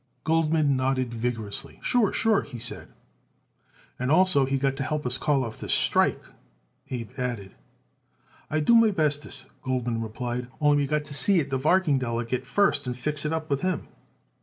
Goldman nodded vigorously. "Sure, sure," he said. "And also he got to help us call off this here strike," Abe added. "I do my bestest," Goldman replied. "Only we got to see it the varking delegate first and fix it up with him."